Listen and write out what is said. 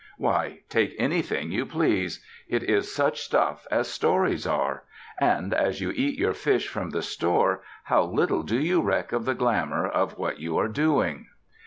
Why, take anything you please! It is such stuff as stories are. And as you eat your fish from the store how little do you reck of the glamor of what you are doing!